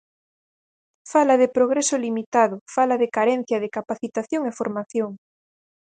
Fala de progreso limitado, fala de carencia de capacitación e formación.